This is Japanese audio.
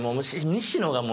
西野が。